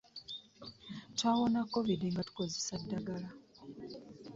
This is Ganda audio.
Twawona kovidi nga tukozesa ddagala.